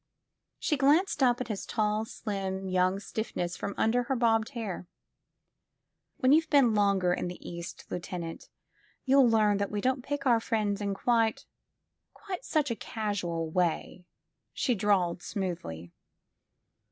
She glanced up at his tall, slim young stiffness from under her bobbed hair. '*When you've been longer in the East, lieutenant, you'll learn that we don't pick our friends in quite — quite such a casual way," she drawled smoothly.